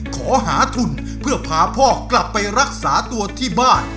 ขอหาทุนเพื่อพาพ่อกลับไปรักษาตัวที่บ้าน